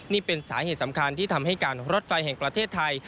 นี่เป็นสาเหตุสำคัญที่ทำให้การรถไฟแห่งประเทศไทย